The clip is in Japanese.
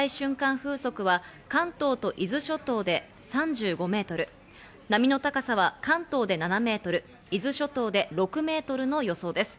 風速は関東と伊豆諸島で３５メートル、波の高さは関東で７メートル、伊豆諸島で６メートルの予想です。